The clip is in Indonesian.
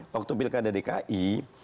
waktu pilkada dki